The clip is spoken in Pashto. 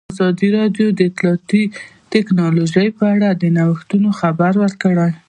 ازادي راډیو د اطلاعاتی تکنالوژي په اړه د نوښتونو خبر ورکړی.